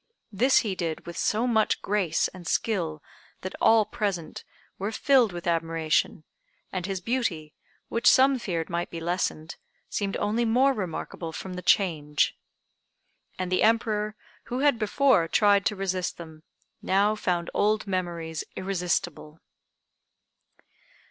This he did with so much grace and skill that all present were filled with admiration; and his beauty, which some feared might be lessened, seemed only more remarkable from the change. And the Emperor, who had before tried to resist them, now found old memories irresistible.